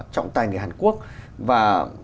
trọng tài nghệ hàn quốc và